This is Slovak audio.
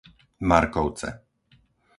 Markovce